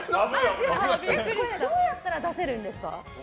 どうやったら出せるんですか？